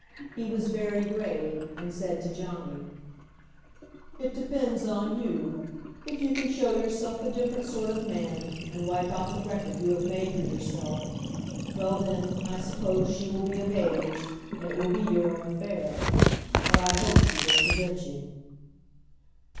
He was very grave, and said to Johnny, "It depends on you; if you can show yourself a different sort of man and wipe out the record you have made for yourself, well, then, I suppose she will be of age, and it will be your own affair but I hope she will forget you."